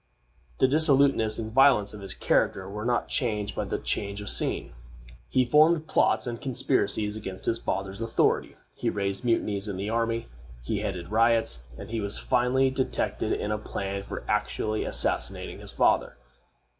The dissoluteness and violence of his character were not changed by the change of scene. He formed plots and conspiracies against his father's authority; he raised mutinies in the army; he headed riots; and he was finally detected in a plan for actually assassinating his father.